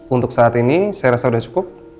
untuk saat ini saya rasa sudah cukup